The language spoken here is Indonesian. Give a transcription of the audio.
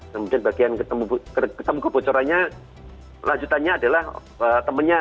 kemudian bagian ketemu kebocorannya lanjutannya adalah temannya